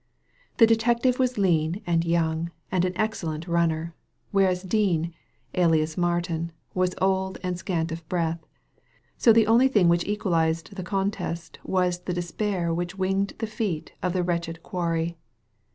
The detective was lean and young, and an excellent runner, whereas Dean, alias Martin, was old and scant of breath ; so the only thing which equalized the contest was the despair which winged the feet of the vrretched quarry.